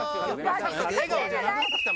笑顔じゃなくなった。